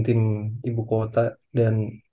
tim ibu kota dan